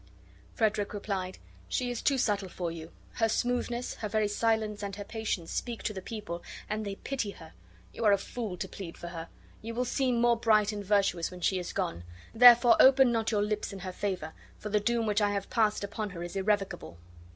Frederick replied: "She is too subtle for you; her smoothness, her very silence, and her patience speak to the people, and they pity her. You are a fool to plead for her, for you will seem more bright and virtuous when she is gone; therefore open not your lips in her favor, for the doom which I have passed upon her is irrevocable."